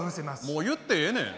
もう言ってええねん。